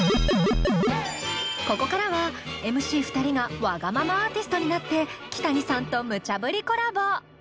ここからはＭＣ２人がわがままアーティストになってキタニさんとムチャぶりコラボ！